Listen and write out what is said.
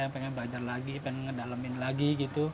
pengen ngedalemin lagi